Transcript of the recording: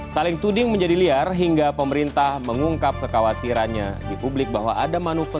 saling tuding menjadi liar hingga pemerintah mengungkap kekhawatirannya di publik bahwa ada manuver